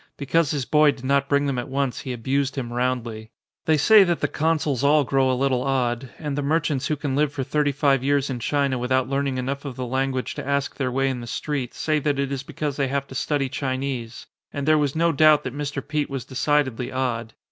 Because his boy did not bring them at once he abused him roundly. They say that the consuls all grow a little odd; and the mer chants who can live for thirty five years in China without learning enough of the language to ask their way in the street, say that it is because they 114 THE CONSUL have to study Chinese; and there was no doubt that Mr. Pete was decidedly odd.